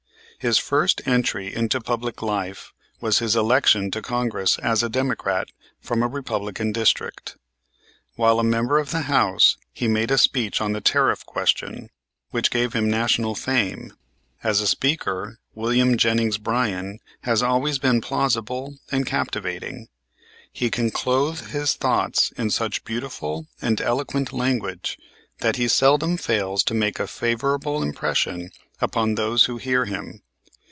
His first entry into public life was his election to Congress as a Democrat from a Republican district. While a member of the House he made a speech on the tariff question which gave him national fame. As a speaker William Jennings Bryan has always been plausible and captivating. He can clothe his thoughts in such beautiful and eloquent language that he seldom fails to make a favorable impression upon those who hear him.